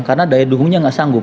karena daya dukungnya nggak sanggup